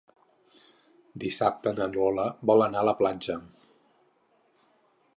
Dissabte na Lola vol anar a la platja.